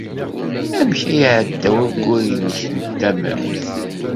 Amek ay iɛedda wayyur-nnek n tamemt?